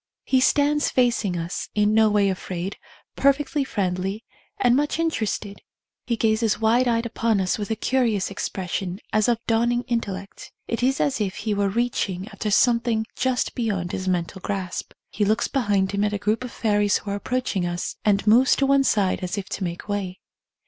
He stands facing us, in no way afraid, perfectly friendly and much ir+erested ; he gazes wide eyed upon us with a curious expression as of dawning in tellect. It is as if he were reaching after something j ust beyond his mental grasp. He 112 OBSERVATIONS OF A CLAIRVOYANT looks behind him at a group of fairies who are approaching us and moves to one side as if to make way.